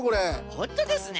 ほんとですね。